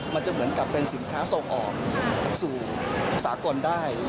มันจะเหมือนกับสินค้าที่สิงค้าส่งออกสู่ศาลสะอกรณ์ได้